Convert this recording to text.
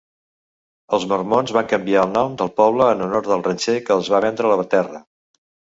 Els mormons van canviar el nom del poble en honor del ranxer que els va vendre la terra.